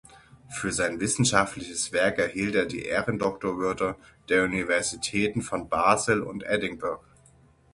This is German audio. Für sein wissenschaftliches Werk erhielt er die Ehrendoktorwürde der Universitäten von Basel und Edinburgh.